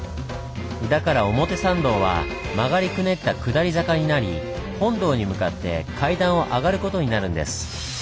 だから表参道は曲がりくねった下り坂になり本堂に向かって階段を上がる事になるんです。